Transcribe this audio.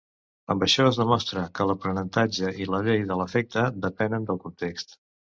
Amb això es demostra que l'aprenentatge i la llei de l'efecte depenen del context.